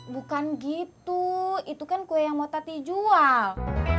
bukan gitu itu kan kue yang mau tati jual